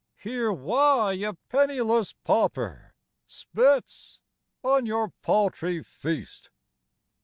Hear why a penniless pauper Spits on your paltry feast.